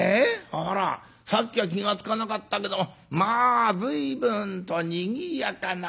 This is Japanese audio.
あらさっきは気が付かなかったけどもまあ随分とにぎやかなもんだねえ。